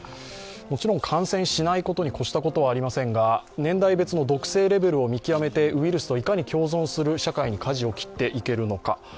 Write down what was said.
もちろん感染しないことにこしたことはありませんが年代別の毒性レベルを見極めて、ウイルスといかに共存する社会にかじを切っていけるのか。